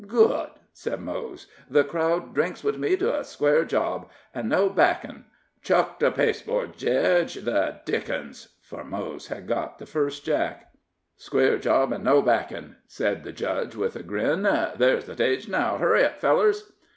"Good!" said Mose. "The crowd drinks with me to a square job, and no backin'. Chuck the pasteboards, jedge The dickens!" For Mose had got first Jack. "Square job, and no backin'," said the judge, with a grin. "There's the stage now hurry up, fellers!"